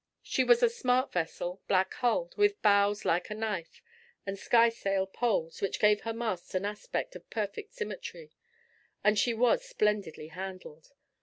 She was a smart vessel, black hulled, with bows like a knife, and skysail poles, which gave her masts an aspect of perfect symmetry; and she was splendidly handled.